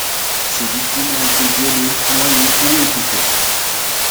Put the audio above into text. Ses victimes ont été violées, noyées ou étouffées.